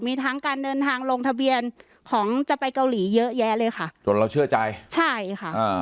มีทั้งการเดินทางลงทะเบียนของจะไปเกาหลีเยอะแยะเลยค่ะจนเราเชื่อใจใช่ค่ะอ่า